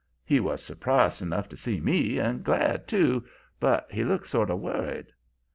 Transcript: He was surprised enough to see me, and glad, too, but he looked sort of worried.